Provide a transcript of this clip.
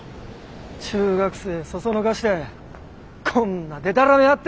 中学生そそのかしてこんなデタラメやって！